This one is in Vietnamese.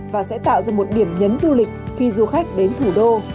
và sẽ tạo ra một điểm nhấn du lịch khi du khách đến thủ đô